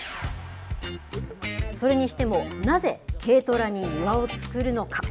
それにしても、なぜ軽トラに庭を造るのか。